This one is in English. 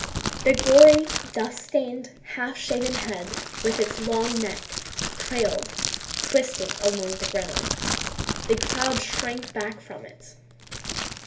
The gory, dust stained, half shaven head with its long neck trailed twisting along the ground. The crowd shrank back from it.